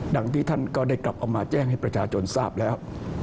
ดังที่ท่านก็ออกมาจ้างให้ประชาโจรทราบแล้ว